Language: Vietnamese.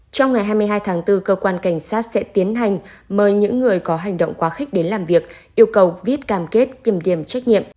trong ngày hai mươi hai tháng bốn cơ quan cảnh sát sẽ tiến hành mời những người có hành động quá khích đến làm việc yêu cầu viết cam kết kiềm điểm trách nhiệm